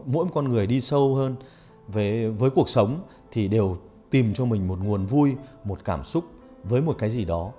mỗi một con người đi sâu hơn với cuộc sống thì đều tìm cho mình một nguồn vui một cảm xúc với một cái gì đó